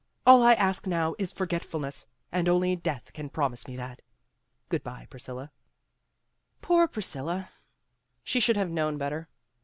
All I ask now is forgetfulness, and only death can promise me that Good by, Priscilla." Poor Priscilla! She should have known better.